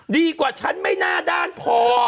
ดีกว่าฉันไม่หน้าด้านพอ